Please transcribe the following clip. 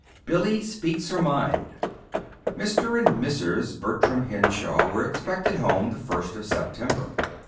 BILLY SPEAKS HER MIND Mr. and Mrs. Bertram Henshaw were expected home the first of September.